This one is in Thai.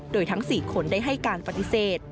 โดยทั้ง๔คนได้ให้การปฏิเสธ